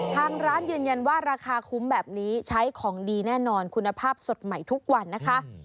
ทางร้านยืนยันว่าราคาคุ้มแบบนี้ใช้ของดีแน่นอนคุณภาพสดใหม่ทุกวันนะคะ